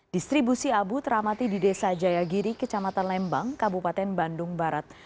distribusi abu teramati di desa jayagiri kecamatan lembang kabupaten bandung barat